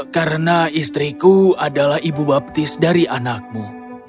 karena istriku adalah ibu baptis dari anakmu